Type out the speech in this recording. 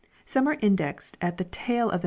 5 Some 6 are indexed at the tail of the mem p.